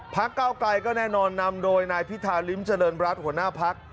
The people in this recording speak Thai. เก้าไกลก็แน่นอนนำโดยนายพิธาริมเจริญรัฐหัวหน้าพัก